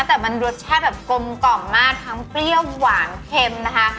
แต่มันรสชาติแบบกลมกล่อมมากทั้งเปรี้ยวหวานเค็มนะคะ